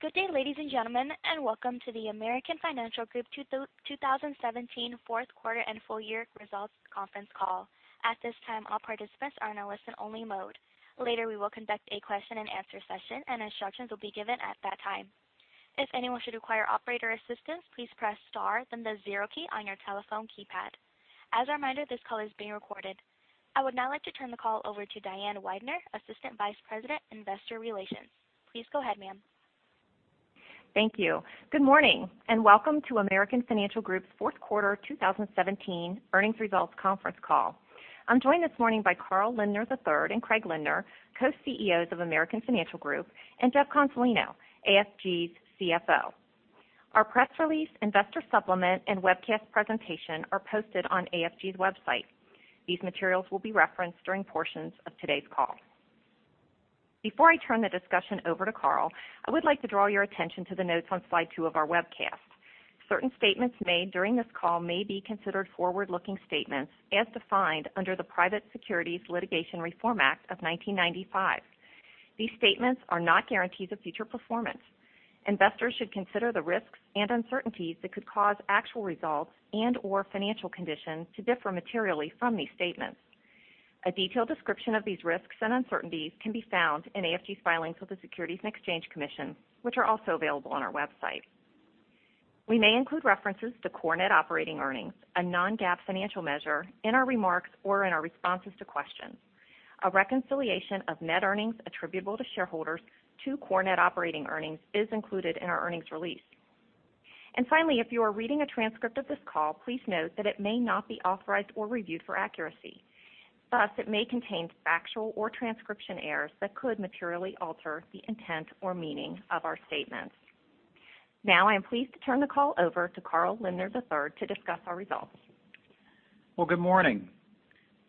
Good day, ladies and gentlemen. Welcome to the American Financial Group 2017 fourth quarter and full year results conference call. At this time, all participants are in a listen only mode. Later, we will conduct a question and answer session. Instructions will be given at that time. If anyone should require operator assistance, please press star then the zero key on your telephone keypad. As a reminder, this call is being recorded. I would now like to turn the call over to Diane Weidner, Assistant Vice President, Investor Relations. Please go ahead, ma'am. Thank you. Good morning. Welcome to American Financial Group's fourth quarter 2017 earnings results conference call. I'm joined this morning by Carl Lindner III and Craig Lindner, Co-CEOs of American Financial Group, Jeff Consolino, AFG's CFO. Our press release, investor supplement, and webcast presentation are posted on AFG's website. These materials will be referenced during portions of today's call. Before I turn the discussion over to Carl, I would like to draw your attention to the notes on slide two of our webcast. Certain statements made during this call may be considered forward-looking statements as defined under the Private Securities Litigation Reform Act of 1995. These statements are not guarantees of future performance. Investors should consider the risks and uncertainties that could cause actual results and/or financial conditions to differ materially from these statements. A detailed description of these risks and uncertainties can be found in AFG's filings with the Securities and Exchange Commission, which are also available on our website. We may include references to core net operating earnings, a non-GAAP financial measure, in our remarks or in our responses to questions. A reconciliation of net earnings attributable to shareholders to core net operating earnings is included in our earnings release. Finally, if you are reading a transcript of this call, please note that it may not be authorized or reviewed for accuracy. Thus, it may contain factual or transcription errors that could materially alter the intent or meaning of our statements. Now, I am pleased to turn the call over to Carl Lindner III to discuss our results. Well, good morning.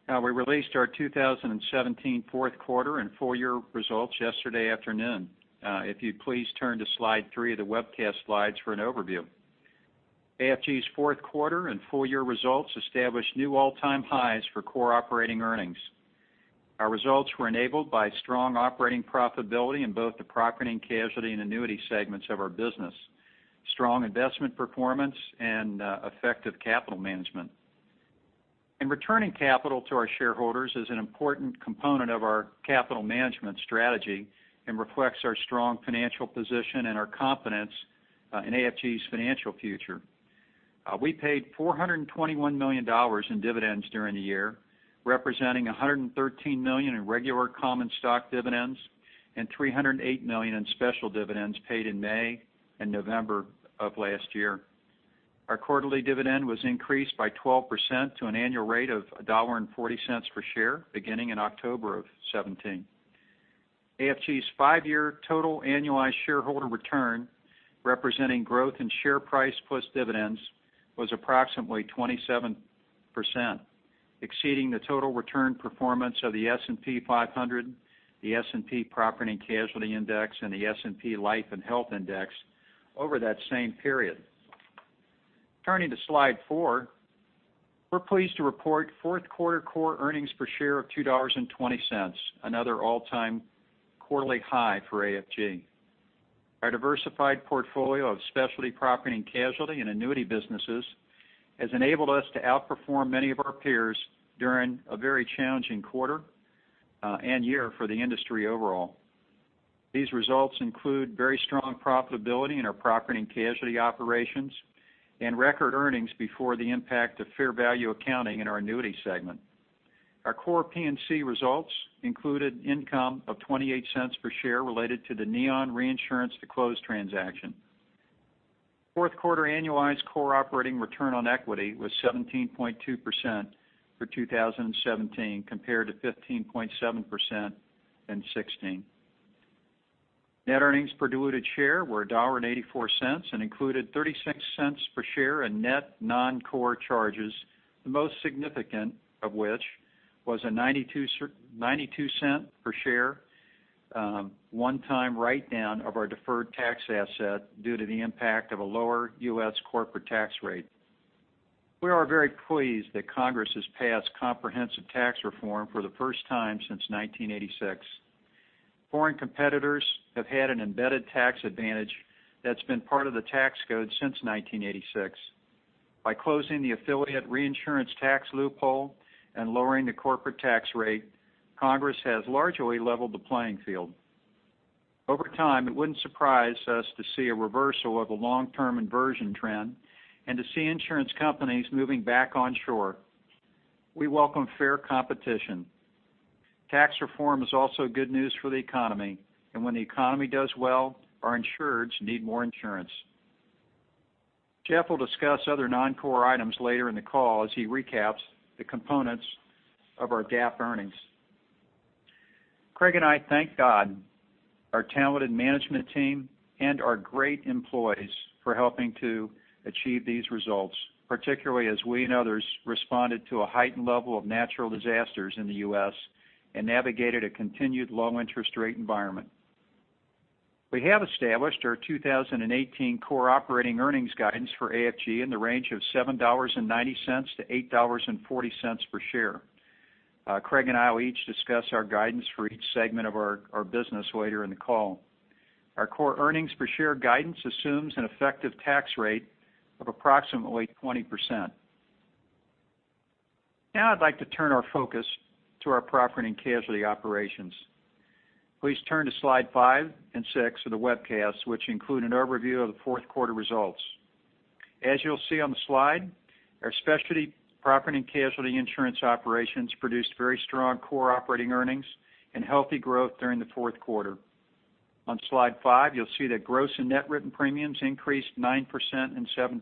We released our 2017 fourth quarter and full year results yesterday afternoon. If you'd please turn to slide three of the webcast slides for an overview. AFG's fourth quarter and full year results established new all-time highs for core operating earnings. Our results were enabled by strong operating profitability in both the property & casualty and annuity segments of our business, strong investment performance, and effective capital management. Returning capital to our shareholders is an important component of our capital management strategy and reflects our strong financial position and our confidence in AFG's financial future. We paid $421 million in dividends during the year, representing $113 million in regular common stock dividends and $308 million in special dividends paid in May and November of last year. Our quarterly dividend was increased by 12% to an annual rate of $1.40 per share beginning in October of 2017. AFG's five-year total annualized shareholder return, representing growth in share price plus dividends, was approximately 27%, exceeding the total return performance of the S&P 500, the S&P Property and Casualty Index, and the S&P Life and Health Index over that same period. Turning to slide four, we're pleased to report fourth quarter core earnings per share of $2.20, another all-time quarterly high for AFG. Our diversified portfolio of specialty property & casualty and annuity businesses has enabled us to outperform many of our peers during a very challenging quarter and year for the industry overall. These results include very strong profitability in our property and casualty operations and record earnings before the impact of fair value accounting in our annuity segment. Our core P&C results included income of $0.28 per share related to the Neon reinsurance to close transaction. Fourth quarter annualized core operating return on equity was 17.2% for 2017, compared to 15.7% in 2016. Net earnings per diluted share were $1.84 and included $0.36 per share in net non-core charges, the most significant of which was a $0.92 per share, one-time write-down of our deferred tax asset due to the impact of a lower U.S. corporate tax rate. We are very pleased that Congress has passed comprehensive tax reform for the first time since 1986. Foreign competitors have had an embedded tax advantage that's been part of the tax code since 1986. By closing the affiliate reinsurance tax loophole and lowering the corporate tax rate, Congress has largely leveled the playing field. Over time, it wouldn't surprise us to see a reversal of a long-term inversion trend and to see insurance companies moving back onshore. We welcome fair competition. Tax reform is also good news for the economy. When the economy does well, our insureds need more insurance. Jeff will discuss other non-core items later in the call as he recaps the components of our GAAP earnings. Craig and I thank God, our talented management team, and our great employees for helping to achieve these results, particularly as we and others responded to a heightened level of natural disasters in the U.S. and navigated a continued low interest rate environment. We have established our 2018 core operating earnings guidance for AFG in the range of $7.90 to $8.40 per share. Craig and I will each discuss our guidance for each segment of our business later in the call. Our core earnings per share guidance assumes an effective tax rate of approximately 20%. I'd like to turn our focus to our property and casualty operations. Please turn to slide five and six of the webcast, which include an overview of the fourth quarter results. As you'll see on the slide, our specialty property and casualty insurance operations produced very strong core operating earnings and healthy growth during the fourth quarter. On slide five, you'll see that gross and net written premiums increased 9% and 7%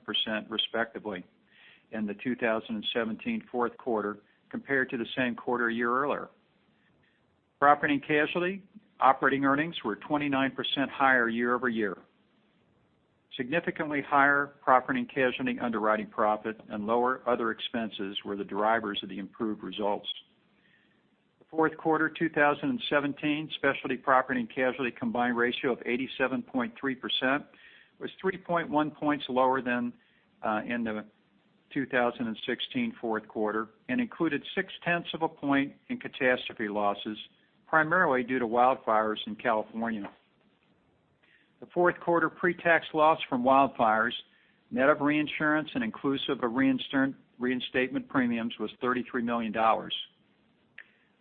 respectively in the 2017 fourth quarter compared to the same quarter a year earlier. Property and casualty operating earnings were 29% higher year-over-year. Significantly higher property and casualty underwriting profit and lower other expenses were the drivers of the improved results. The fourth quarter 2017 specialty property and casualty combined ratio of 87.3% was 3.1 points lower than in the 2016 fourth quarter and included six tenths of a point in catastrophe losses, primarily due to wildfires in California. The fourth quarter pre-tax loss from wildfires, net of reinsurance and inclusive of reinstatement premiums, was $33 million.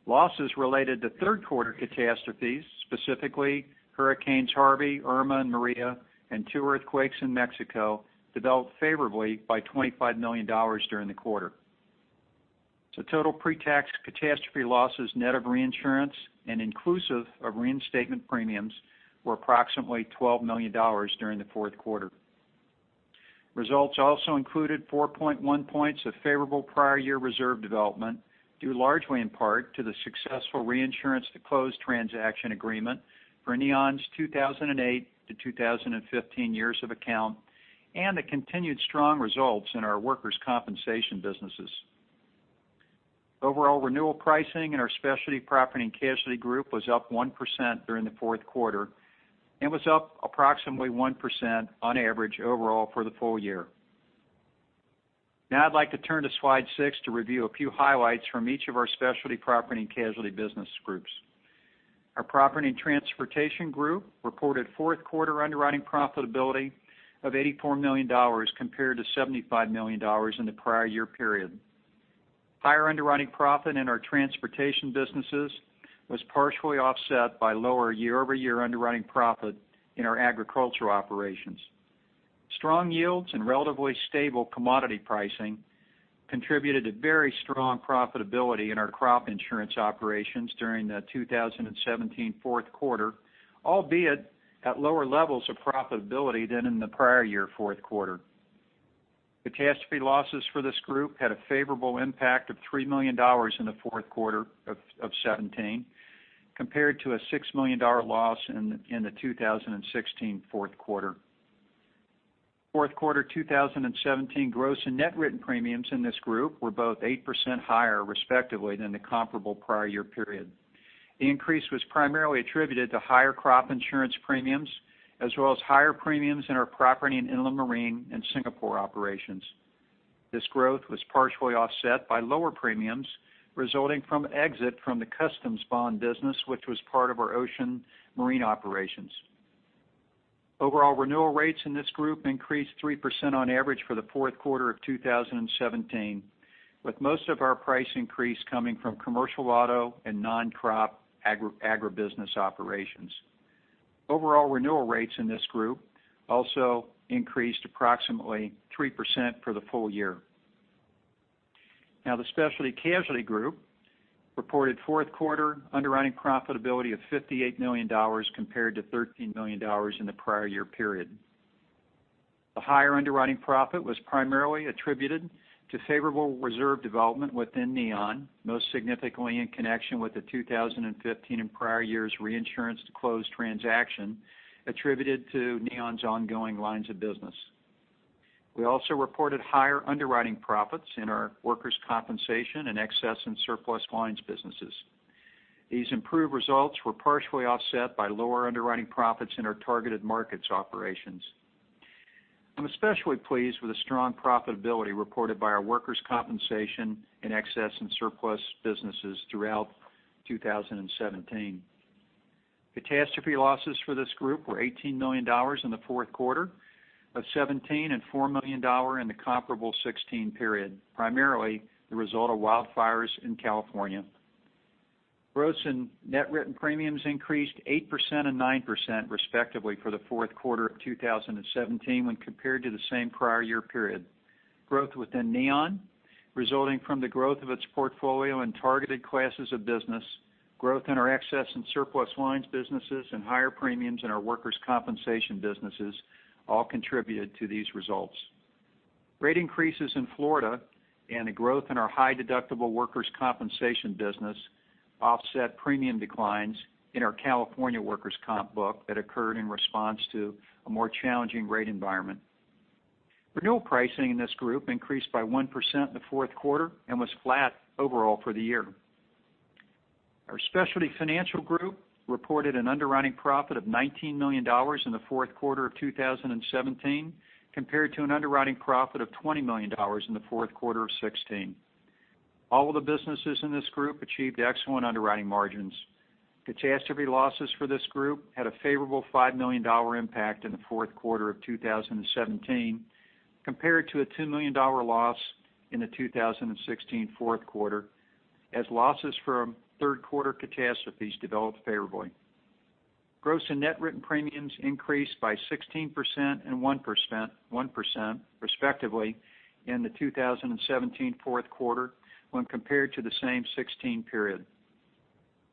Losses related to third quarter catastrophes, specifically hurricanes Harvey, Irma, and Maria, and two earthquakes in Mexico, developed favorably by $25 million during the quarter. The total pre-tax catastrophe losses net of reinsurance and inclusive of reinstatement premiums were approximately $12 million during the fourth quarter. Results also included 4.1 points of favorable prior year reserve development, due largely in part to the successful reinsurance to close transaction agreement for Neon's 2008 to 2015 years of account and the continued strong results in our workers' compensation businesses. Overall renewal pricing in our specialty property and casualty group was up 1% during the fourth quarter and was up approximately 1% on average overall for the full year. I'd like to turn to slide six to review a few highlights from each of our specialty property and casualty business groups. Our Property and Transportation group reported fourth quarter underwriting profitability of $84 million compared to $75 million in the prior year period. Higher underwriting profit in our transportation businesses was partially offset by lower year-over-year underwriting profit in our agricultural operations. Strong yields and relatively stable commodity pricing contributed to very strong profitability in our crop insurance operations during the 2017 fourth quarter, albeit at lower levels of profitability than in the prior year fourth quarter. Catastrophe losses for this group had a favorable impact of $3 million in the fourth quarter of 2017, compared to a $6 million loss in the 2016 fourth quarter. Fourth quarter 2017 gross and net written premiums in this group were both 8% higher, respectively, than the comparable prior year period. The increase was primarily attributed to higher crop insurance premiums, as well as higher premiums in our property and inland marine and Singapore operations. This growth was partially offset by lower premiums resulting from exit from the customs bond business, which was part of our ocean marine operations. Overall renewal rates in this group increased 3% on average for the fourth quarter of 2017, with most of our price increase coming from commercial auto and non-crop agribusiness operations. Overall renewal rates in this group also increased approximately 3% for the full year. The Specialty Casualty group reported fourth quarter underwriting profitability of $58 million compared to $13 million in the prior year period. The higher underwriting profit was primarily attributed to favorable reserve development within Neon, most significantly in connection with the 2015 and prior years reinsurance to close transaction attributed to Neon's ongoing lines of business. We also reported higher underwriting profits in our workers' compensation and excess and surplus lines businesses. These improved results were partially offset by lower underwriting profits in our targeted markets operations. I'm especially pleased with the strong profitability reported by our workers' compensation and excess and surplus lines businesses throughout 2017. Catastrophe losses for this group were $18 million in the fourth quarter of 2017 and $4 million in the comparable 2016 period, primarily the result of wildfires in California. Gross and net written premiums increased 8% and 9% respectively for the fourth quarter of 2017 when compared to the same prior year period. Growth within Neon, resulting from the growth of its portfolio and targeted classes of business, growth in our excess and surplus lines businesses, and higher premiums in our workers' compensation businesses all contributed to these results. Rate increases in Florida and a growth in our high-deductible workers' compensation business offset premium declines in our California workers' comp book that occurred in response to a more challenging rate environment. Renewal pricing in this group increased by 1% in the fourth quarter and was flat overall for the year. Our Specialty Financial group reported an underwriting profit of $19 million in the fourth quarter of 2017, compared to an underwriting profit of $20 million in the fourth quarter of 2016. All of the businesses in this group achieved excellent underwriting margins. Catastrophe losses for this group had a favorable $5 million impact in the fourth quarter of 2017, compared to a $2 million loss in the 2016 fourth quarter, as losses from third quarter catastrophes developed favorably. Gross and net written premiums increased by 16% and 1%, respectively, in the 2017 fourth quarter when compared to the same 2016 period.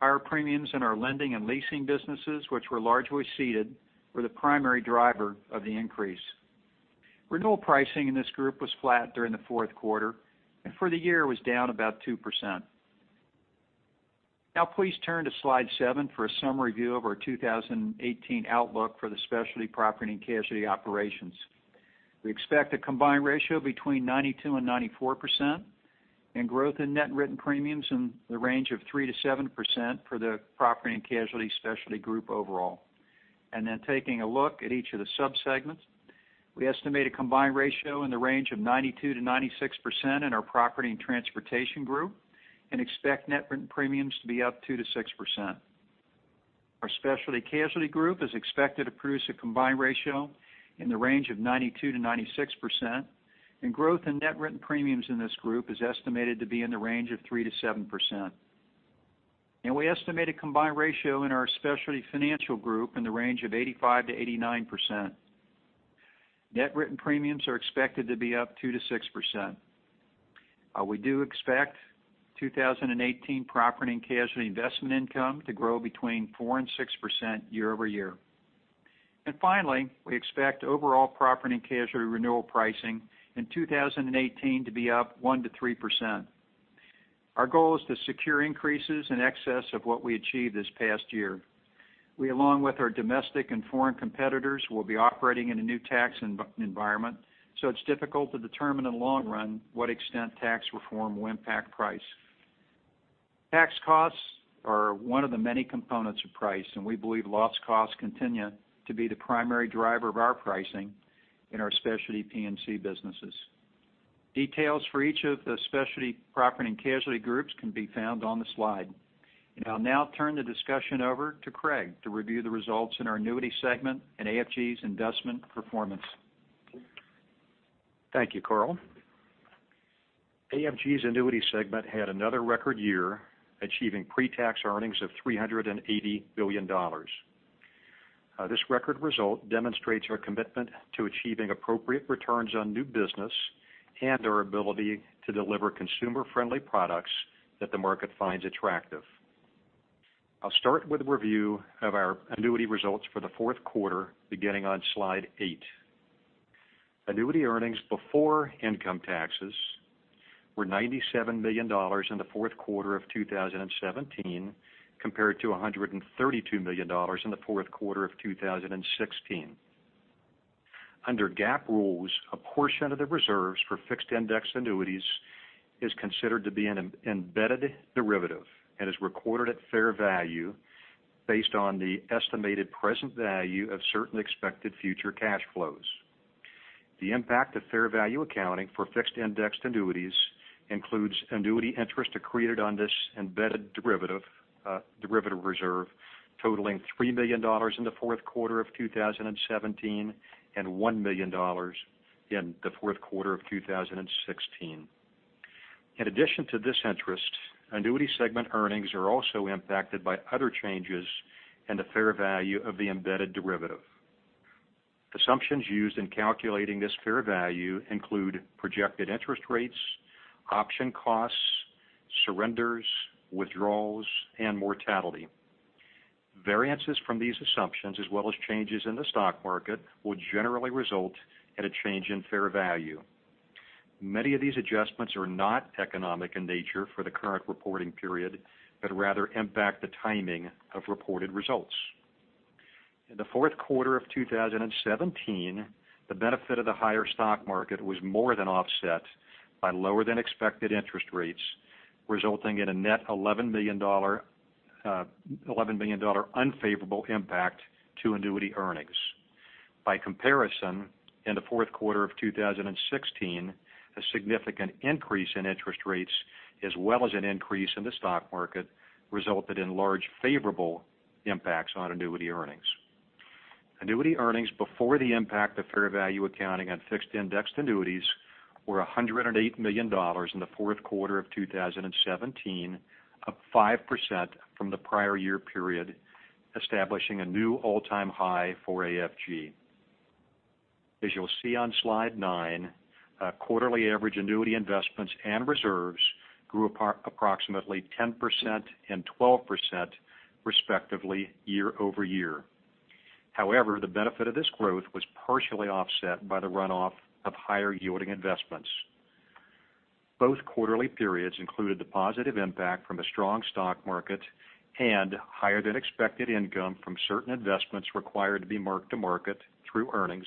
Higher premiums in our lending and leasing businesses, which were largely ceded, were the primary driver of the increase. Renewal pricing in this group was flat during the fourth quarter, and for the year was down about 2%. Please turn to slide seven for a summary view of our 2018 outlook for the Specialty Property & Casualty operations. We expect a combined ratio between 92% and 94%, and growth in net written premiums in the range of 3%-7% for the Specialty Property & Casualty group overall. Taking a look at each of the sub-segments, we estimate a combined ratio in the range of 92%-96% in our Property and Transportation group, and expect net written premiums to be up 2%-6%. Our Specialty Casualty group is expected to produce a combined ratio in the range of 92%-96%, and growth in net written premiums in this group is estimated to be in the range of 3%-7%. We estimate a combined ratio in our Specialty Financial group in the range of 85%-89%. Net written premiums are expected to be up 2%-6%. We do expect 2018 Property and Casualty investment income to grow between 4% and 6% year-over-year. Finally, we expect overall Property and Casualty renewal pricing in 2018 to be up 1%-3%. Our goal is to secure increases in excess of what we achieved this past year. We, along with our domestic and foreign competitors, will be operating in a new tax environment, so it's difficult to determine in the long run what extent tax reform will impact price. Tax costs are one of the many components of price, and we believe loss costs continue to be the primary driver of our pricing in our Specialty P&C businesses. Details for each of the Specialty Property and Casualty groups can be found on the slide. I'll now turn the discussion over to Craig to review the results in our Annuity segment and AFG's investment performance. Thank you, Carl. AFG's Annuity segment had another record year, achieving pre-tax earnings of $380 million. This record result demonstrates our commitment to achieving appropriate returns on new business and our ability to deliver consumer-friendly products that the market finds attractive. I'll start with a review of our Annuity results for the fourth quarter, beginning on slide eight. Annuity earnings before income taxes were $97 million in the fourth quarter of 2017, compared to $132 million in the fourth quarter of 2016. Under GAAP rules, a portion of the reserves for fixed-indexed annuities is considered to be an embedded derivative and is recorded at fair value based on the estimated present value of certain expected future cash flows. The impact of fair value accounting for fixed-indexed annuities includes annuity interest accreted on this embedded derivative reserve totaling $3 million in the fourth quarter of 2017 and $1 million in the fourth quarter of 2016. In addition to this interest, Annuity segment earnings are also impacted by other changes in the fair value of the embedded derivative. Assumptions used in calculating this fair value include projected interest rates, option costs, surrenders, withdrawals, and mortality. Variances from these assumptions, as well as changes in the stock market, will generally result in a change in fair value. Many of these adjustments are not economic in nature for the current reporting period, but rather impact the timing of reported results. In the fourth quarter of 2017, the benefit of the higher stock market was more than offset by lower-than-expected interest rates, resulting in a net $11 million unfavorable impact to annuity earnings. By comparison, in the fourth quarter of 2016, a significant increase in interest rates, as well as an increase in the stock market, resulted in large favorable impacts on annuity earnings. Annuity earnings before the impact of fair value accounting on fixed-indexed annuities were $108 million in the fourth quarter of 2017, up 5% from the prior year period, establishing a new all-time high for AFG. As you'll see on slide nine, quarterly average annuity investments and reserves grew approximately 10% and 12%, respectively, year-over-year. However, the benefit of this growth was partially offset by the runoff of higher-yielding investments. Both quarterly periods included the positive impact from a strong stock market and higher-than-expected income from certain investments required to be marked to market through earnings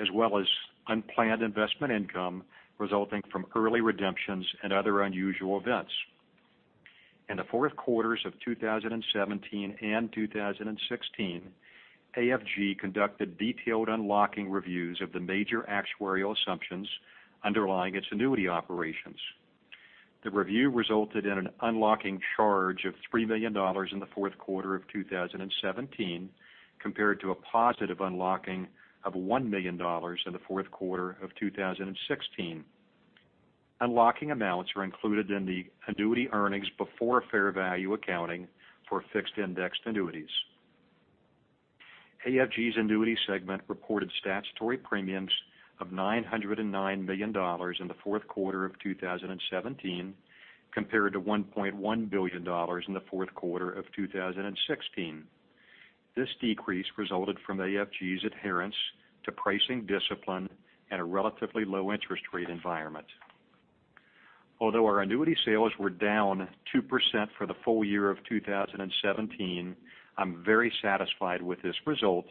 as well as unplanned investment income resulting from early redemptions and other unusual events. In the fourth quarters of 2017 and 2016, AFG conducted detailed unlocking reviews of the major actuarial assumptions underlying its annuity operations. The review resulted in an unlocking charge of $3 million in the fourth quarter of 2017, compared to a positive unlocking of $1 million in the fourth quarter of 2016. Unlocking amounts are included in the annuity earnings before fair value accounting for fixed-indexed annuities. AFG's Annuity segment reported statutory premiums of $909 million in the fourth quarter of 2017, compared to $1.1 billion in the fourth quarter of 2016. This decrease resulted from AFG's adherence to pricing discipline and a relatively low interest rate environment. Although our annuity sales were down 2% for the full year of 2017, I'm very satisfied with this result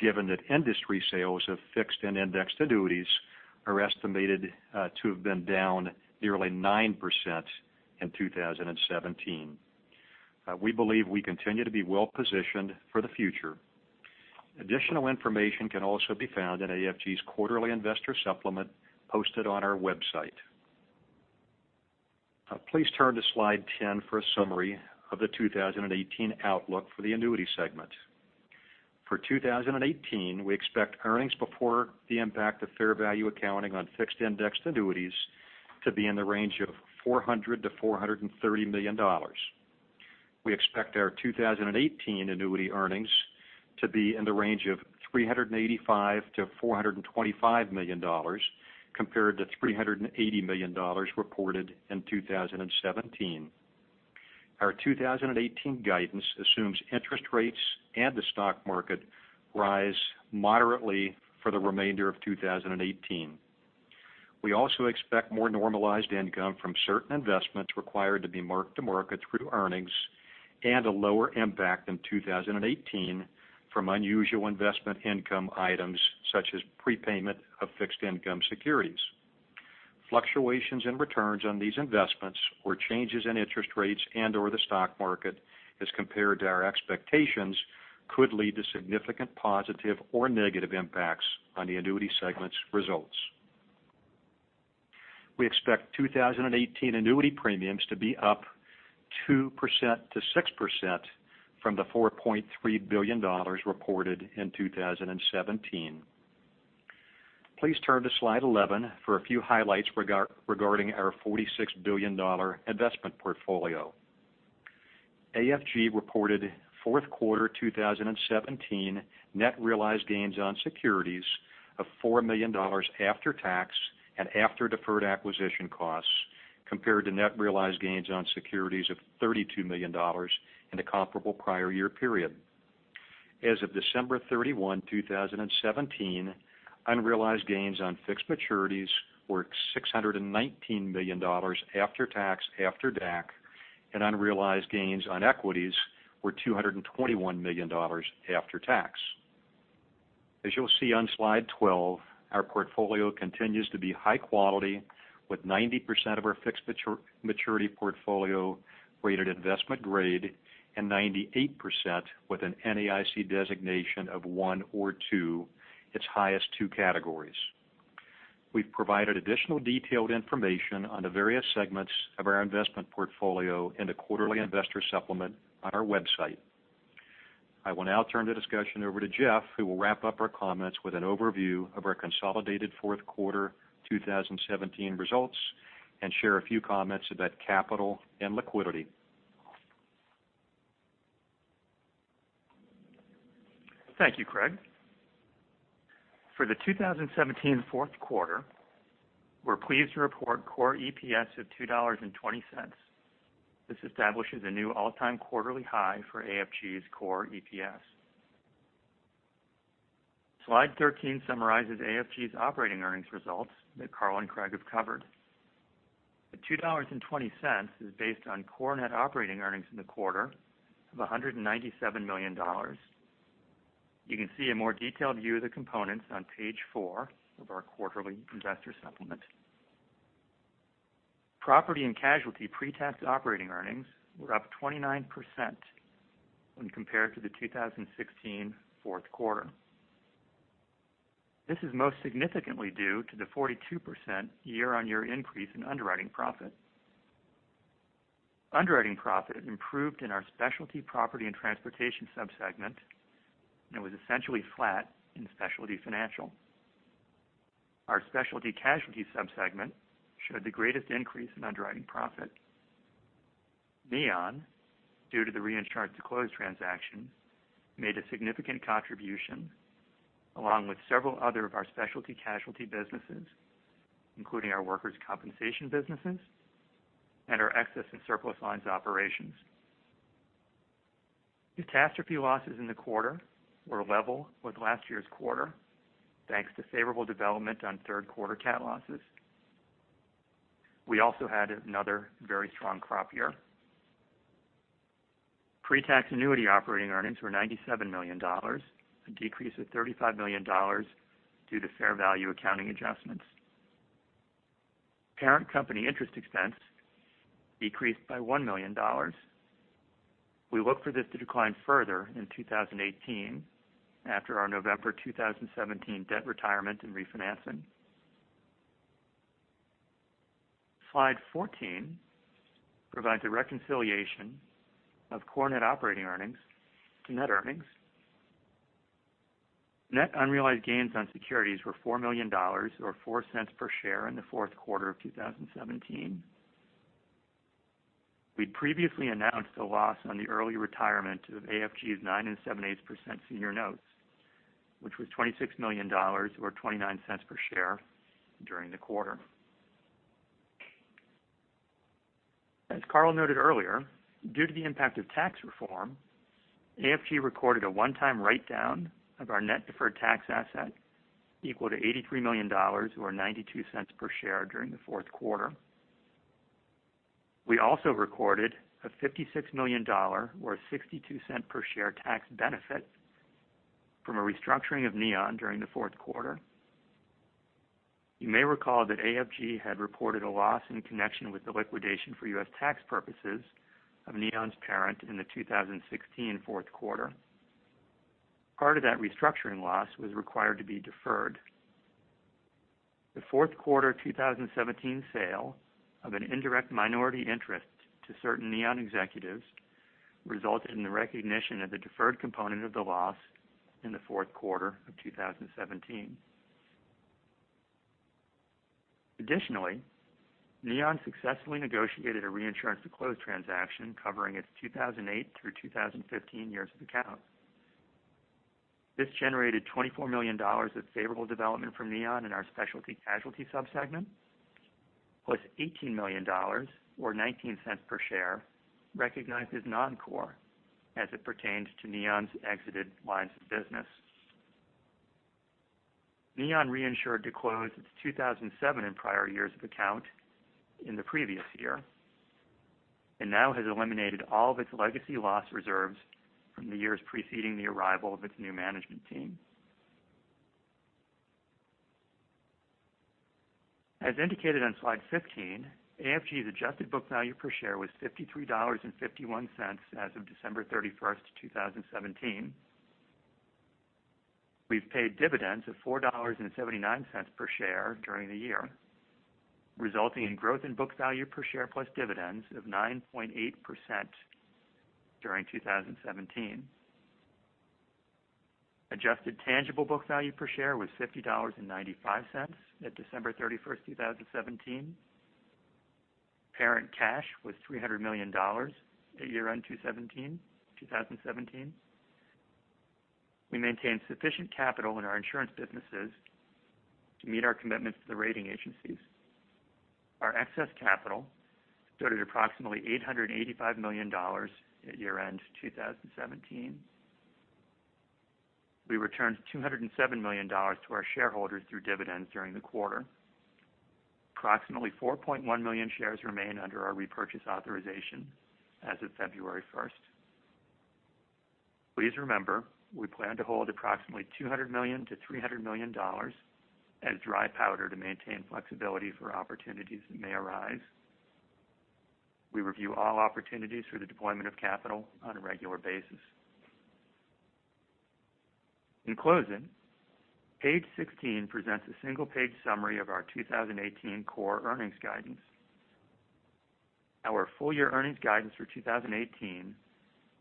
given that industry sales of Fixed and Indexed Annuities are estimated to have been down nearly 9% in 2017. We believe we continue to be well-positioned for the future. Additional information can also be found in AFG's quarterly investor supplement posted on our website. Please turn to slide 10 for a summary of the 2018 outlook for the annuity segment. For 2018, we expect earnings before the impact of fair value accounting on fixed-indexed annuities to be in the range of $400 million to $430 million. We expect our 2018 annuity earnings to be in the range of $385 million to $425 million compared to $380 million reported in 2017. Our 2018 guidance assumes interest rates and the stock market rise moderately for the remainder of 2018. We also expect more normalized income from certain investments required to be marked to market through earnings and a lower impact in 2018 from unusual investment income items such as prepayment of fixed income securities. Fluctuations in returns on these investments or changes in interest rates and/or the stock market as compared to our expectations could lead to significant positive or negative impacts on the annuity segment's results. We expect 2018 annuity premiums to be up 2% to 6% from the $4.3 billion reported in 2017. Please turn to slide 11 for a few highlights regarding our $46 billion investment portfolio. AFG reported fourth quarter 2017 net realized gains on securities of $4 million after tax and after deferred acquisition costs, compared to net realized gains on securities of $32 million in the comparable prior year period. As of December 31, 2017, unrealized gains on fixed maturities were $619 million after tax, after DAC, and unrealized gains on equities were $221 million after tax. As you'll see on slide 12, our portfolio continues to be high quality, with 90% of our fixed maturity portfolio rated investment grade and 98% with an NAIC designation of one or two, its highest two categories. We've provided additional detailed information on the various segments of our investment portfolio in the quarterly investor supplement on our website. I will now turn the discussion over to Jeff, who will wrap up our comments with an overview of our consolidated fourth quarter 2017 results and share a few comments about capital and liquidity. Thank you, Craig. For the 2017 fourth quarter, we're pleased to report core EPS of $2.20. This establishes a new all-time quarterly high for AFG's core EPS. Slide 13 summarizes AFG's operating earnings results that Carl and Craig have covered. The $2.20 is based on core net operating earnings in the quarter of $197 million. You can see a more detailed view of the components on page four of our quarterly investor supplement. Property and casualty pre-tax operating earnings were up 29% when compared to the 2016 fourth quarter. This is most significantly due to the 42% year-on-year increase in underwriting profit. Underwriting profit improved in our Specialty Property and Transportation sub-segment and was essentially flat in Specialty Financial. Our Specialty Casualty sub-segment showed the greatest increase in underwriting profit. Neon, due to the reinsurance to close transaction, made a significant contribution, along with several other of our Specialty Casualty businesses, including our workers' compensation businesses and our excess and surplus lines operations. Catastrophe losses in the quarter were level with last year's quarter, thanks to favorable development on third quarter cat losses. We also had another very strong crop year. Pre-tax annuity operating earnings were $97 million, a decrease of $35 million due to fair value accounting adjustments. Parent company interest expense decreased by $1 million. We look for this to decline further in 2018 after our November 2017 debt retirement and refinancing. Slide 14 provides a reconciliation of core net operating earnings to net earnings. Net unrealized gains on securities were $4 million, or $0.04 per share in the fourth quarter of 2017. We'd previously announced a loss on the early retirement of AFG's 9.75% senior notes, which was $26 million or $0.29 per share during the quarter. As Carl noted earlier, due to the impact of tax reform, AFG recorded a one-time write-down of our net deferred tax asset equal to $83 million, or $0.92 per share during the fourth quarter. We also recorded a $56 million, or $0.62 per share tax benefit from a restructuring of Neon during the fourth quarter. You may recall that AFG had reported a loss in connection with the liquidation for U.S. tax purposes of Neon's parent in the 2016 fourth quarter. Part of that restructuring loss was required to be deferred. The fourth quarter 2017 sale of an indirect minority interest to certain Neon executives resulted in the recognition of the deferred component of the loss in the fourth quarter of 2017. Additionally, Neon successfully negotiated a reinsurance to close transaction covering its 2008 through 2015 years of account. This generated $24 million of favorable development from Neon in our Specialty Casualty sub-segment, plus $18 million or $0.19 per share recognized as non-core as it pertained to Neon's exited lines of business. Neon reinsured to close its 2007 and prior years of account in the previous year, and now has eliminated all of its legacy loss reserves from the years preceding the arrival of its new management team. As indicated on slide 15, AFG's adjusted book value per share was $53.51 as of December 31st, 2017. We've paid dividends of $4.79 per share during the year, resulting in growth in book value per share plus dividends of 9.8% during 2017. Adjusted tangible book value per share was $50.95 at December 31st, 2017. Parent cash was $300 million at year-end 2017. We maintain sufficient capital in our insurance businesses to meet our commitments to the rating agencies. Our excess capital stood at approximately $885 million at year-end 2017. We returned $207 million to our shareholders through dividends during the quarter. Approximately 4.1 million shares remain under our repurchase authorization as of February 1st. Please remember, we plan to hold approximately $200 million-$300 million as dry powder to maintain flexibility for opportunities that may arise. We review all opportunities for the deployment of capital on a regular basis. In closing, page 16 presents a single-page summary of our 2018 core earnings guidance. Our full-year earnings guidance for 2018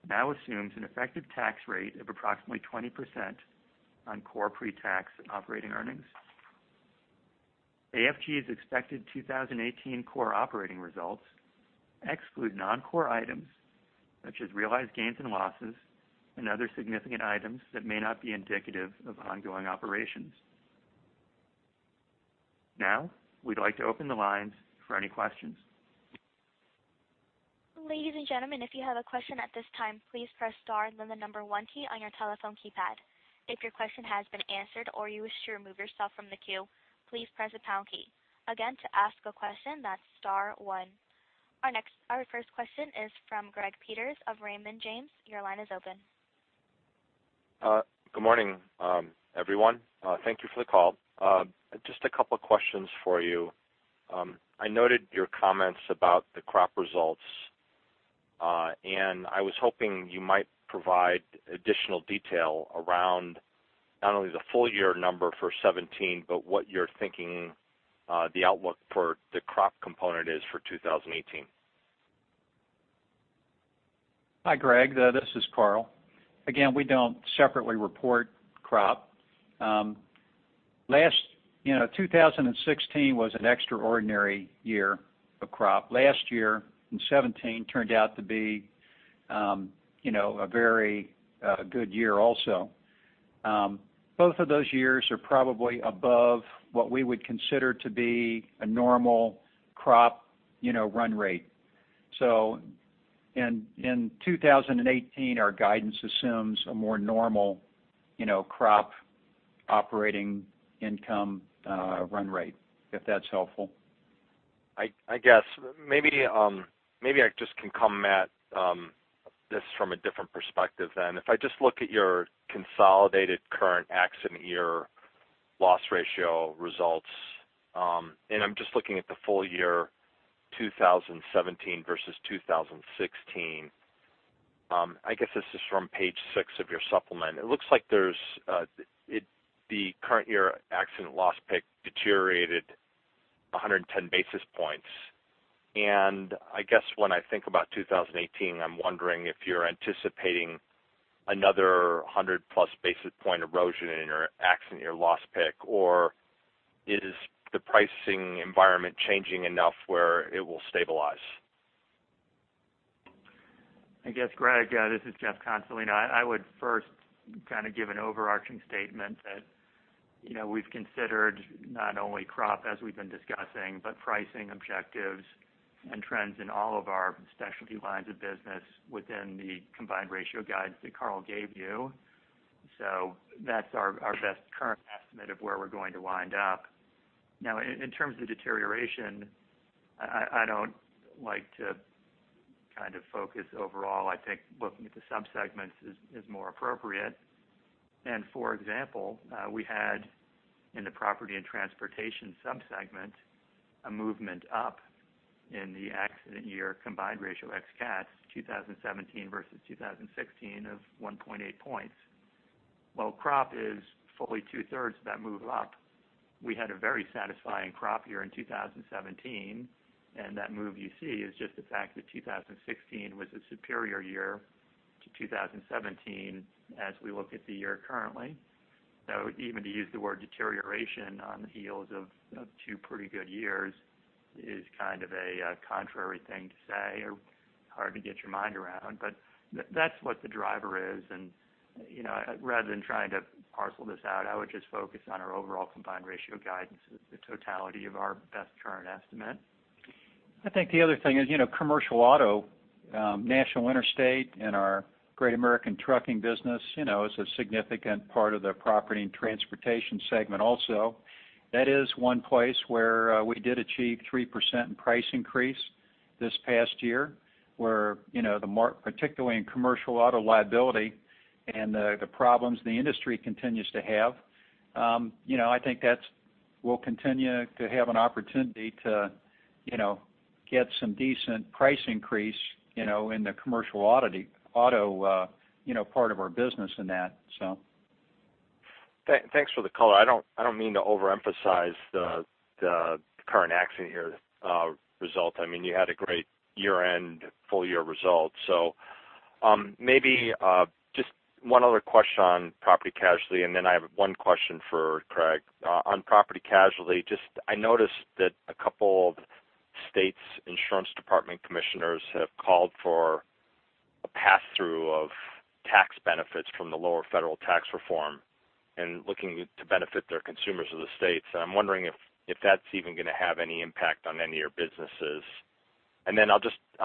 now assumes an effective tax rate of approximately 20% on core pre-tax operating earnings. AFG's expected 2018 core operating results exclude non-core items such as realized gains and losses and other significant items that may not be indicative of ongoing operations. Now, we'd like to open the lines for any questions. Ladies and gentlemen, if you have a question at this time, please press star then the number one key on your telephone keypad. If your question has been answered or you wish to remove yourself from the queue, please press the pound key. Again, to ask a question, that's star one. Our first question is from Gregory Peters of Raymond James. Your line is open. Good morning, everyone. Thank you for the call. Just a couple questions for you. I noted your comments about the crop results, and I was hoping you might provide additional detail around not only the full-year number for 2017, but what you're thinking the outlook for the crop component is for 2018. Hi, Greg. This is Carl. Again, we don't separately report crop. 2016 was an extraordinary year of crop. Last year, in 2017, turned out to be a very good year also. Both of those years are probably above what we would consider to be a normal crop run rate. In 2018, our guidance assumes a more normal crop operating income run rate, if that's helpful. I guess maybe I just can come at this from a different perspective. If I just look at your consolidated current accident year loss ratio results, I'm just looking at the full year 2017 versus 2016. I guess this is from page six of your supplement. It looks like the current year accident loss pick deteriorated 110 basis points. I guess when I think about 2018, I'm wondering if you're anticipating another 100-plus basis point erosion in your accident year loss pick, or is the pricing environment changing enough where it will stabilize? Greg, this is Jeff Consolino. I would first kind of give an overarching statement that we've considered not only crop as we've been discussing, but pricing objectives and trends in all of our specialty lines of business within the combined ratio guides that Carl gave you. That's our best current estimate of where we're going to wind up. In terms of deterioration, I don't like to focus overall. I think looking at the sub-segments is more appropriate. For example, we had in the Property and Transportation sub-segment, a movement up in the accident year combined ratio ex-CAT 2017 versus 2016 of 1.8 points. While crop is fully two-thirds of that move up, we had a very satisfying crop year in 2017. That move you see is just the fact that 2016 was a superior year to 2017 as we look at the year currently. Even to use the word deterioration on the heels of two pretty good years is kind of a contrary thing to say, or hard to get your mind around. That's what the driver is, rather than trying to parcel this out, I would just focus on our overall combined ratio guidance as the totality of our best current estimate. I think the other thing is commercial auto, National Interstate, and our Great American Trucking Division, is a significant part of the Property and Transportation segment also. That is one place where we did achieve 3% in price increase this past year, particularly in commercial auto liability and the problems the industry continues to have. I think that we'll continue to have an opportunity to get some decent price increase in the commercial auto part of our business in that. Thanks for the color. I don't mean to overemphasize the current accident year result. You had a great year-end full-year result. Maybe just one other question on property casualty, then I have one question for Craig. On property casualty, I noticed that a couple of states' insurance department commissioners have called for a pass-through of tax benefits from the lower federal tax reform and looking to benefit their consumers of the states. I'm wondering if that's even going to have any impact on any of your businesses? Then I'll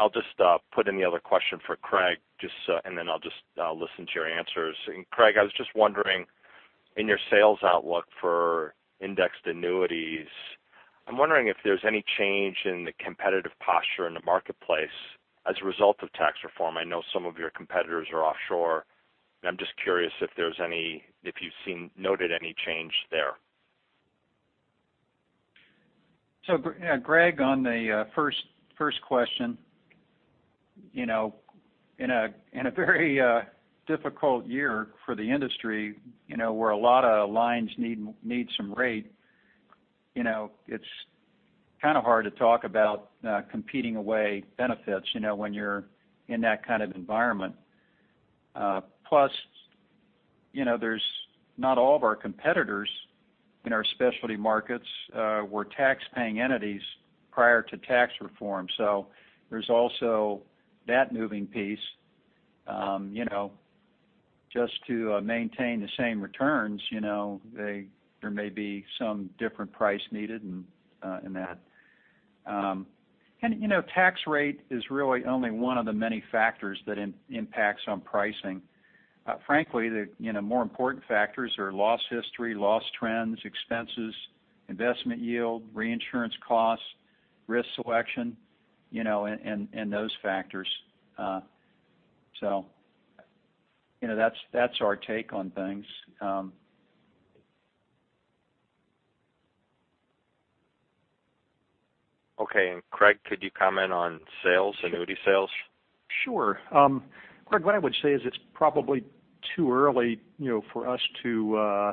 just put in the other question for Craig, then I'll just listen to your answers. Craig, I was just wondering, in your sales outlook for indexed annuities, I'm wondering if there's any change in the competitive posture in the marketplace as a result of tax reform. I know some of your competitors are offshore, I'm just curious if you've noted any change there. Greg, on the first question, in a very difficult year for the industry, where a lot of lines need some rate, it's kind of hard to talk about competing away benefits when you're in that kind of environment. Plus, not all of our competitors in our specialty markets were tax-paying entities prior to tax reform. There's also that moving piece just to maintain the same returns, there may be some different price needed in that. Tax rate is really only one of the many factors that impacts on pricing. Frankly, the more important factors are loss history, loss trends, expenses, investment yield, reinsurance costs, risk selection, and those factors. That's our take on things. Okay. Craig, could you comment on annuity sales? Sure. Greg, what I would say is it's probably too early for us to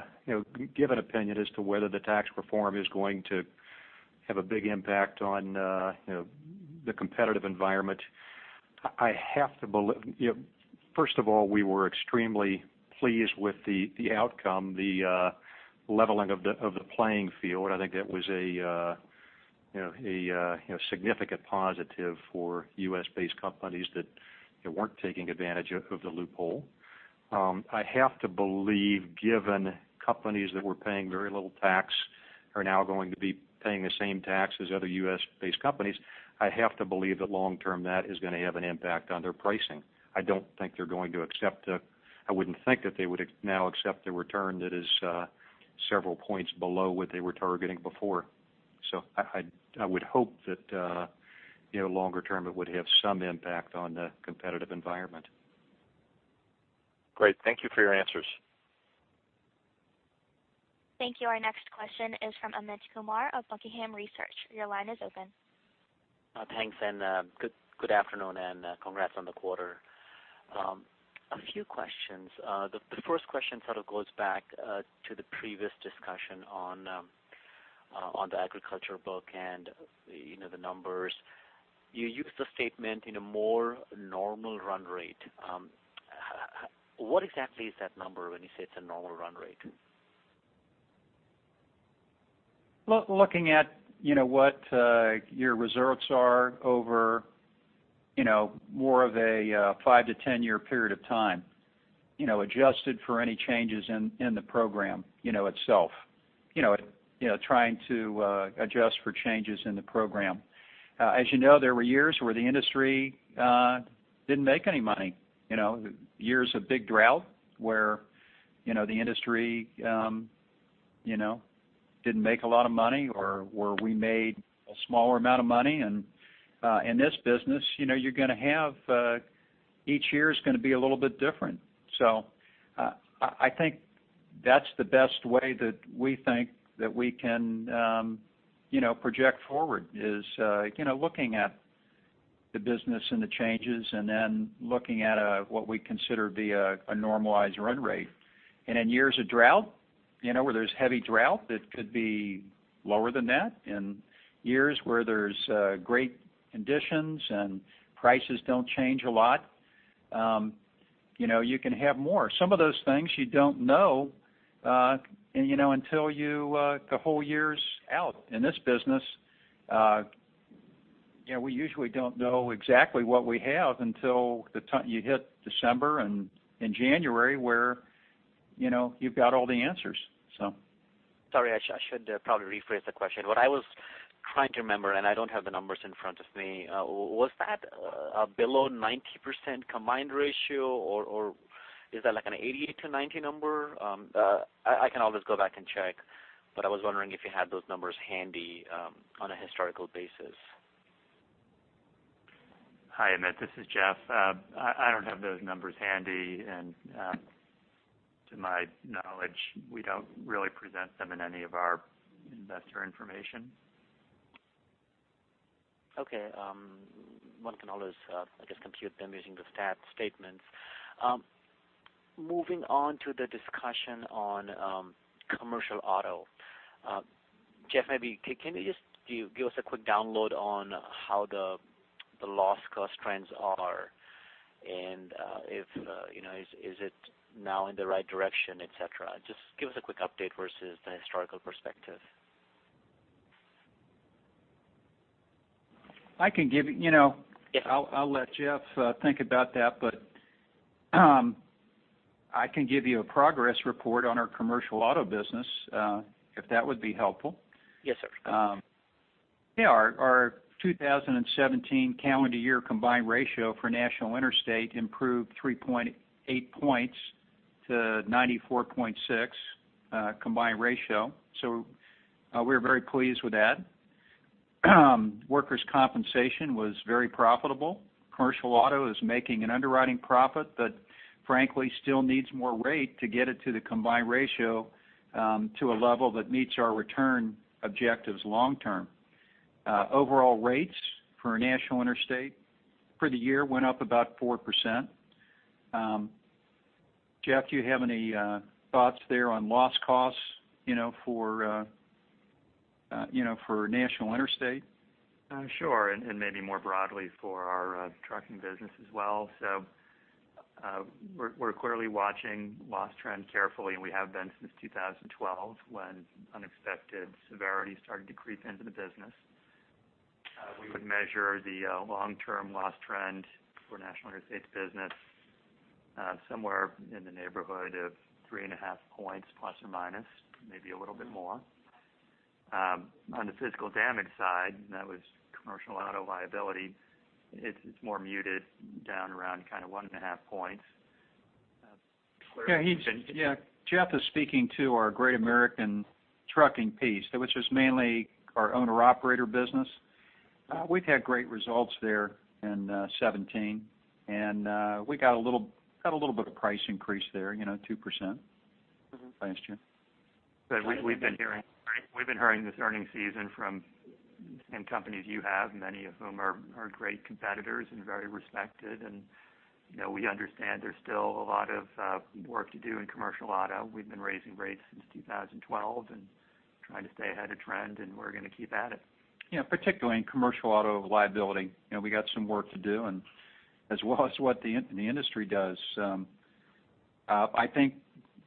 give an opinion as to whether the tax reform is going to have a big impact on the competitive environment. First of all, we were extremely pleased with the outcome, the leveling of the playing field. I think that was a significant positive for U.S.-based companies that weren't taking advantage of the loophole. I have to believe, given companies that were paying very little tax are now going to be paying the same tax as other U.S.-based companies, I have to believe that long term, that is going to have an impact on their pricing. I wouldn't think that they would now accept a return that is several points below what they were targeting before. I would hope that longer term it would have some impact on the competitive environment. Great. Thank you for your answers. Thank you. Our next question is from Amit Kumar of Buckingham Research. Your line is open. Thanks, good afternoon, and congrats on the quarter. A few questions. The first question sort of goes back to the previous discussion on the agriculture book and the numbers. You used the statement in a more normal run rate. What exactly is that number when you say it's a normal run rate? Looking at what your results are over more of a five to 10-year period of time, adjusted for any changes in the program itself. Trying to adjust for changes in the program. As you know, there were years where the industry didn't make any money. Years of big drought where the industry didn't make a lot of money or where we made a smaller amount of money. In this business, each year is going to be a little bit different. I think that's the best way that we think that we can project forward is looking at the business and the changes and then looking at what we consider to be a normalized run rate. In years of drought, where there's heavy drought, it could be lower than that. In years where there's great conditions and prices don't change a lot, you can have more. Some of those things you don't know until the whole year's out. In this business, we usually don't know exactly what we have until you hit December and January, where you've got all the answers. Sorry, I should probably rephrase the question. What I was trying to remember, and I don't have the numbers in front of me, was that below 90% combined ratio, or is that like an 80-90 number? I can always go back and check, but I was wondering if you had those numbers handy on a historical basis. Hi, Amit. This is Jeff. I don't have those numbers handy, and to my knowledge, we don't really present them in any of our investor information. Okay. One can always, I guess, compute them using the stat statements. Moving on to the discussion on commercial auto. Jeff, maybe can you just give us a quick download on how the loss cost trends are and if is it now in the right direction, et cetera? Just give us a quick update versus the historical perspective. I'll let Jeff think about that, but I can give you a progress report on our commercial auto business, if that would be helpful. Yes, sir. Yeah. Our 2017 calendar year combined ratio for National Interstate improved 3.8 points to 94.6 combined ratio. We're very pleased with that. Workers' compensation was very profitable. Commercial auto is making an underwriting profit, frankly, still needs more rate to get it to the combined ratio to a level that meets our return objectives long term. Overall rates for National Interstate for the year went up about 4%. Jeff, do you have any thoughts there on loss costs for National Interstate? Sure, maybe more broadly for our trucking business as well. We're clearly watching loss trends carefully, and we have been since 2012 when unexpected severity started to creep into the business. We would measure the long-term loss trend for National Interstate's business somewhere in the neighborhood of three and a half points plus or minus, maybe a little bit more. On the physical damage side, that was commercial auto liability, it's more muted down around one and a half points. Yeah. Jeff is speaking to our Great American trucking piece, which is mainly our owner/operator business. We've had great results there in 2017, we got a little bit of price increase there, 2% last year. We've been hearing this earning season from same companies you have, many of whom are great competitors and very respected. We understand there's still a lot of work to do in commercial auto. We've been raising rates since 2012 and trying to stay ahead of trend, and we're going to keep at it. Yeah, particularly in commercial auto liability, we got some work to do, as well as what the industry does. I think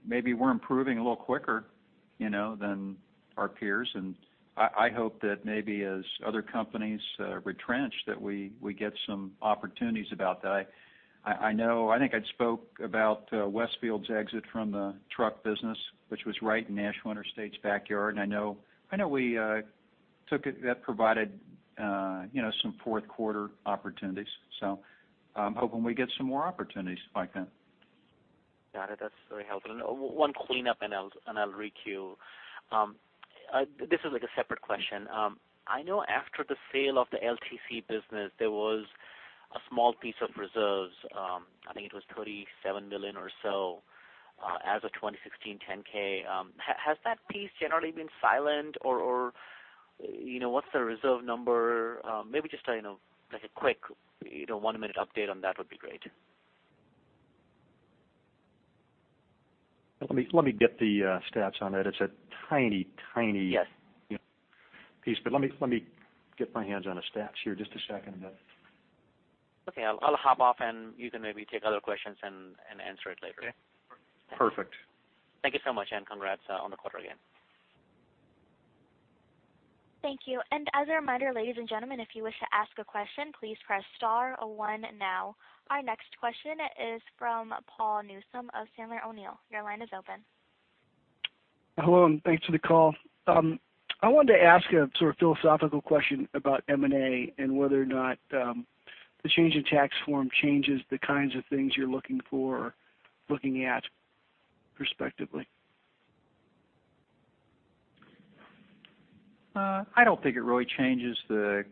maybe we're improving a little quicker than our peers, and I hope that maybe as other companies retrench, that we get some opportunities about that. I think I'd spoke about Westfield's exit from the truck business, which was right in National Interstate's backyard. I know that provided some fourth quarter opportunities. I'm hoping we get some more opportunities like that. Got it. That's very helpful. One cleanup, and I'll re-queue. This is like a separate question. I know after the sale of the LTC business, there was a small piece of reserves, I think it was $37 million or so as of 2016 10-K. Has that piece generally been silent, or what's the reserve number? Maybe just like a quick one-minute update on that would be great. Let me get the stats on that. It's a tiny piece. Let me get my hands on the stats here. Just a second. Okay. I'll hop off, and you can maybe take other questions and answer it later. Okay. Perfect. Thank you so much, and congrats on the quarter again. Thank you. As a reminder, ladies and gentlemen, if you wish to ask a question, please press star one now. Our next question is from Paul Newsome of Sandler O'Neill. Your line is open. Hello, and thanks for the call. I wanted to ask a sort of philosophical question about M&A and whether or not the change in tax reform changes the kinds of things you're looking for or looking at perspectively. I don't think it really changes the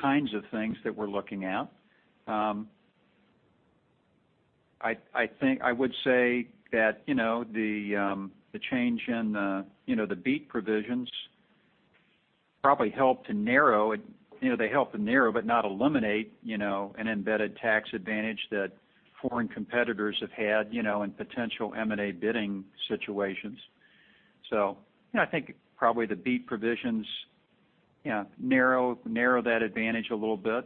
kinds of things that we're looking at. I would say that the change in the BEAT provisions probably help to narrow, but not eliminate, an embedded tax advantage that foreign competitors have had in potential M&A bidding situations. I think probably the BEAT provisions narrow that advantage a little bit.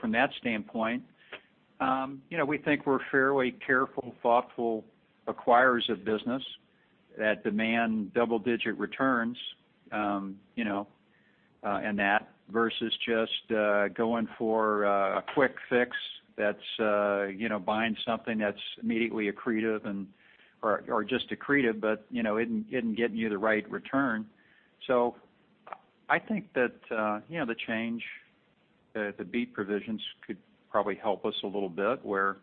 From that standpoint we think we're fairly careful, thoughtful acquirers of business that demand double-digit returns, and that versus just going for a quick fix that's buying something that's immediately accretive or just accretive, but isn't getting you the right return. I think that the change, the BEAT provisions could probably help us a little bit where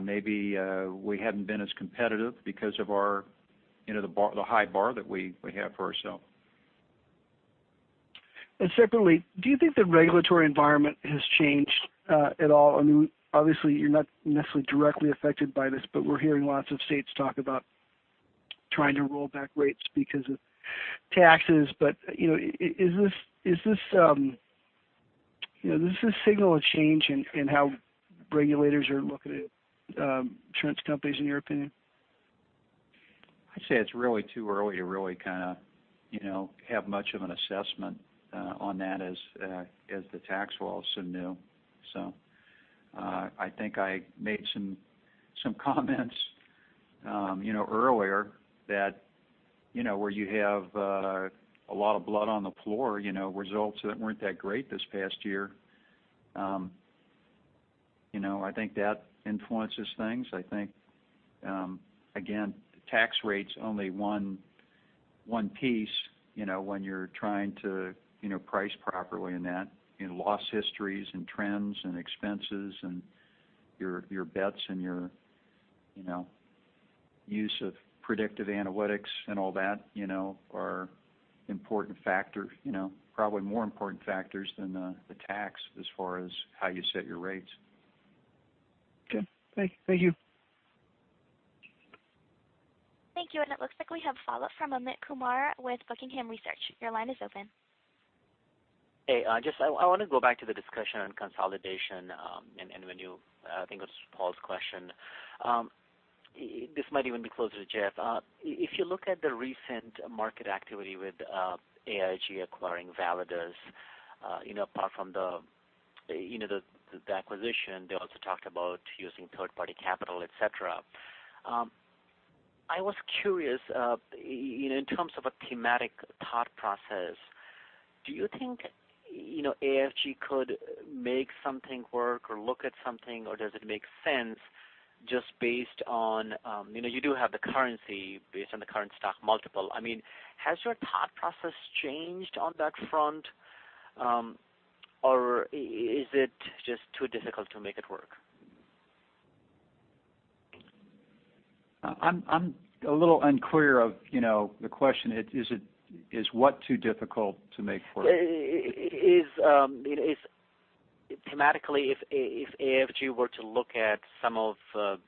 maybe we hadn't been as competitive because of the high bar that we have for ourself. Secondly, do you think the regulatory environment has changed at all? Obviously, you're not necessarily directly affected by this, but we're hearing lots of states talk about trying to roll back rates because of taxes. Does this signal a change in how regulators are looking at insurance companies, in your opinion? I'd say it's really too early to really have much of an assessment on that as the tax law is so new. I think I made some comments earlier that where you have a lot of blood on the floor, results that weren't that great this past year. I think that influences things. I think again, tax rate's only one piece when you're trying to price properly in that. Loss histories and trends and expenses and your bets and your use of predictive analytics and all that are important factors. Probably more important factors than the tax as far as how you set your rates. Okay. Thank you. Thank you. It looks like we have a follow-up from Amit Kumar with Buckingham Research. Your line is open. Hey, I want to go back to the discussion on consolidation. I think it was Paul's question. This might even be closer to Jeff. If you look at the recent market activity with AIG acquiring Validus, apart from the acquisition, they also talked about using third-party capital, et cetera. I was curious in terms of a thematic thought process, do you think AIG could make something work or look at something, or does it make sense just based on you do have the currency based on the current stock multiple? Has your thought process changed on that front? Is it just too difficult to make it work? I'm a little unclear of the question. Is what too difficult to make work? Thematically, if AIG were to look at some of the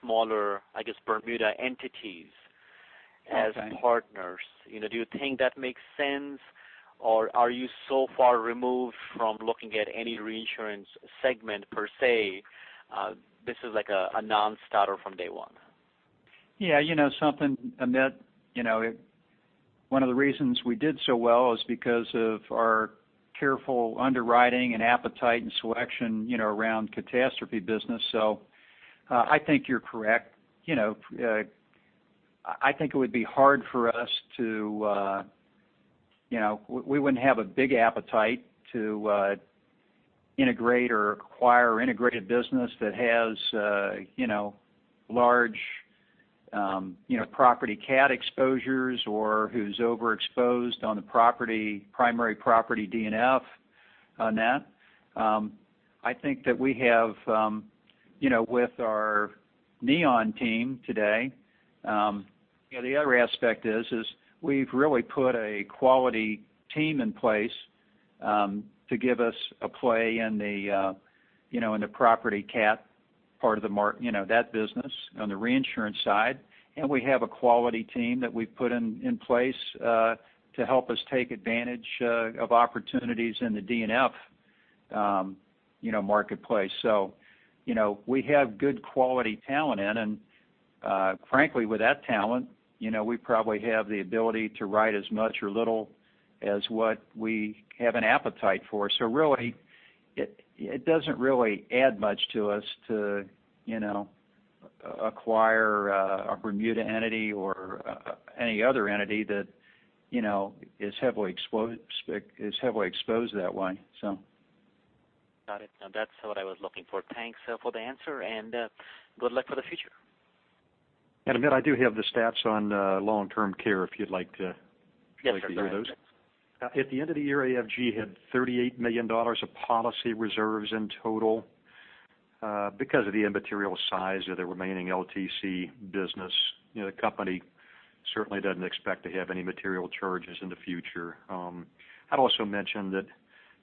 smaller Bermuda entities as partners. Do you think that makes sense, or are you so far removed from looking at any reinsurance segment per se, this is like a non-starter from day one? Yes. One of the reasons we did so well is because of our careful underwriting and appetite and selection around catastrophe business. I think you're correct. I think it would be hard for us. We wouldn't have a big appetite to integrate or acquire integrated business that has large Property cat exposures or who's overexposed on the primary property D&F net. I think that we have with our Neon team today, the other aspect is we've really put a quality team in place to give us a play in the property catastrophe part of that business on the reinsurance side. We have a quality team that we've put in place to help us take advantage of opportunities in the D&F marketplace. We have good quality talent in, frankly, with that talent, we probably have the ability to write as much or little as what we have an appetite for. Really, it doesn't really add much to us to acquire a Bermuda entity or any other entity that is heavily exposed that way. Got it. That's what I was looking for. Thanks for the answer. Good luck for the future. Amit, I do have the stats on long-term care if you'd like to hear those. Yes, sir. At the end of the year, AFG had $38 million of policy reserves in total. Because of the immaterial size of the remaining LTC business, the company certainly doesn't expect to have any material charges in the future. I'd also mention that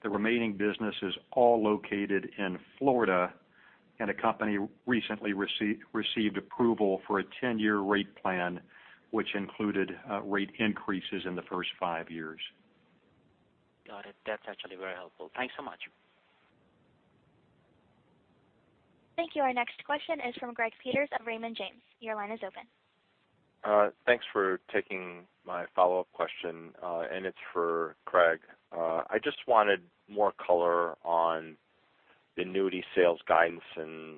the remaining business is all located in Florida, and the company recently received approval for a 10-year rate plan, which included rate increases in the first five years. Got it. That's actually very helpful. Thanks so much. Thank you. Our next question is from Gregory Peters at Raymond James. Your line is open. Thanks for taking my follow-up question, and it's for Craig. I just wanted more color on the annuity sales guidance in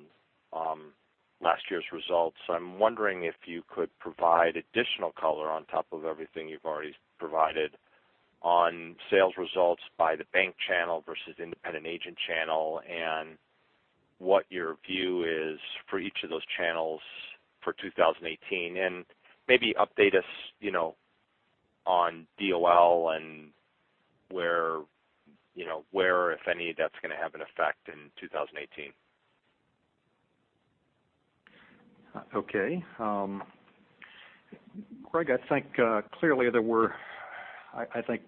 last year's results. I'm wondering if you could provide additional color on top of everything you've already provided on sales results by the bank channel versus independent agent channel, and what your view is for each of those channels for 2018, and maybe update us on DOL and where, if any, that's going to have an effect in 2018. Okay. Greg, I think clearly, I think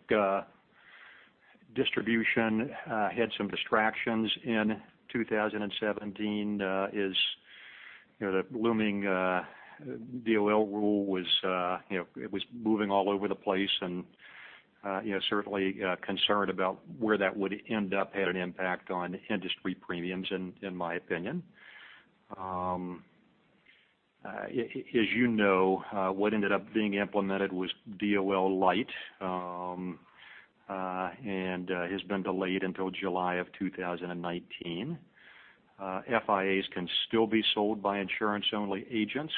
distribution had some distractions in 2017 as the looming DOL rule was moving all over the place. Certainly, concern about where that would end up had an impact on industry premiums in my opinion. As you know, what ended up being implemented was DOL Light, and has been delayed until July of 2019. FIAs can still be sold by insurance-only agents.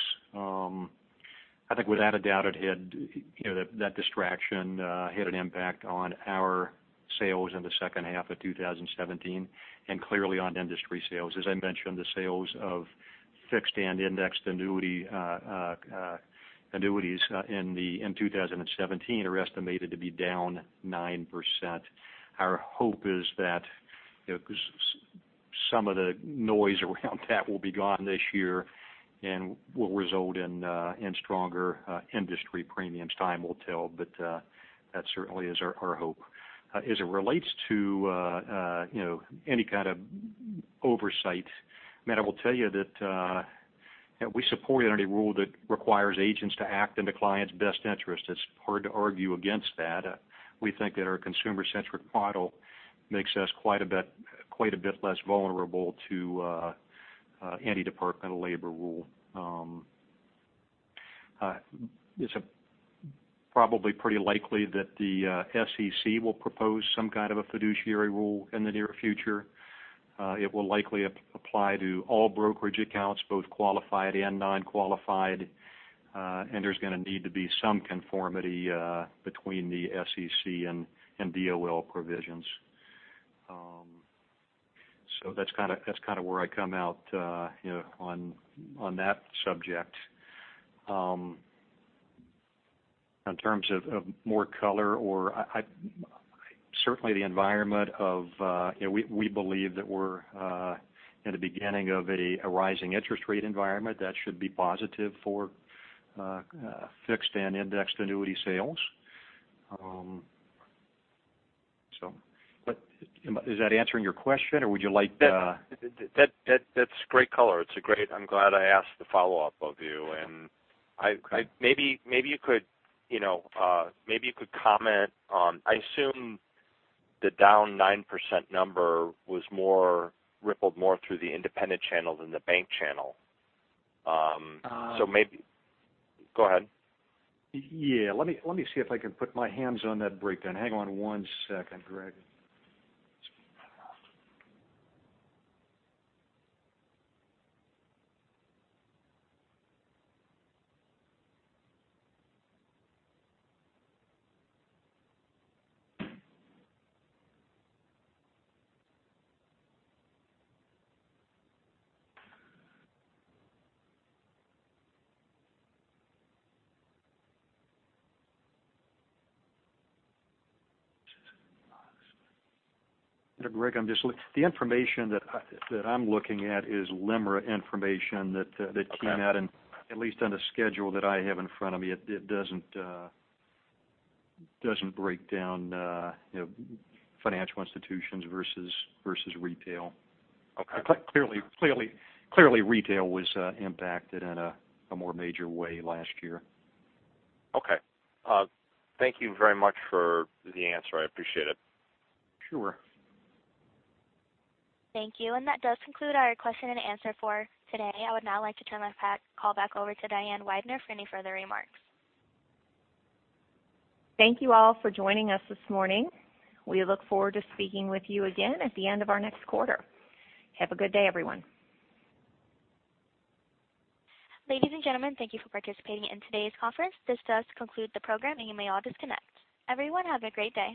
I think without a doubt, that distraction had an impact on our sales in the second half of 2017 and clearly on industry sales. As I mentioned, the sales of Fixed Index Annuities in 2017 are estimated to be down 9%. Our hope is that some of the noise around that will be gone this year and will result in stronger industry premiums. Time will tell, but that certainly is our hope. As it relates to any kind of oversight, Amit, I will tell you that we support any rule that requires agents to act in the client's best interest. It's hard to argue against that. We think that our consumer-centric model makes us quite a bit less vulnerable to any Department of Labor rule. It's probably pretty likely that the SEC will propose some kind of a fiduciary rule in the near future. It will likely apply to all brokerage accounts, both qualified and non-qualified, and there's going to need to be some conformity between the SEC and DOL provisions. That's where I come out on that subject. In terms of more color, we believe that we're in the beginning of a rising interest rate environment. That should be positive for Fixed Index Annuity sales. Is that answering your question? Or would you like- That's great color. I'm glad I asked the follow-up of you. Okay. Maybe you could comment on, I assume the down 9% number rippled more through the independent channel than the bank channel. Go ahead. Yeah. Let me see if I can put my hands on that breakdown. Hang on one second, Greg. Greg, the information that I'm looking at is LIMRA information that came out, at least on the schedule that I have in front of me, it doesn't break down financial institutions versus retail. Okay. Clearly, retail was impacted in a more major way last year. Okay. Thank you very much for the answer. I appreciate it. Sure. Thank you. That does conclude our question and answer for today. I would now like to turn the call back over to Diane Weidner for any further remarks. Thank you all for joining us this morning. We look forward to speaking with you again at the end of our next quarter. Have a good day, everyone. Ladies and gentlemen, thank you for participating in today's conference. This does conclude the program, you may all disconnect. Everyone, have a great day.